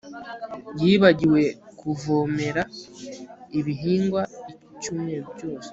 yibagiwe kuvomera ibihingwa icyumweru cyose